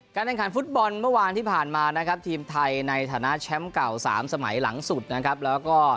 แห่งขันฟุตบอลเมื่อวานที่ผ่านมานะครับทีมไทยในฐานะแชมป์เก่าสามสมัยหลังสุดนะครับแล้วก็